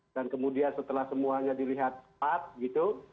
dan kemudian setelah semuanya dilihat sepat gitu